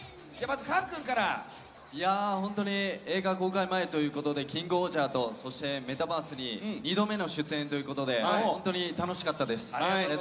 本当に映画公開前ということで「キングオージャー」と「メタバースＴＶ！！」に２度目の出演ということで本当に楽しかったです。